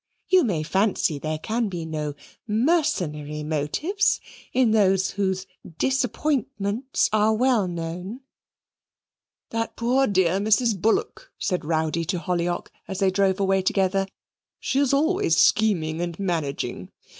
You may fancy there can be no MERCENARY motives in those whose DISAPPOINTMENTS are well known." "That poor dear Mrs. Bullock," said Rowdy to Hollyock, as they drove away together "she is always scheming and managing.